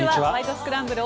スクランブル」